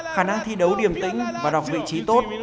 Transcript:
khả năng thi đấu điểm tĩnh và đọc vị trí tốt